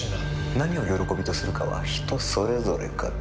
何を喜びとするかは人それぞれかと。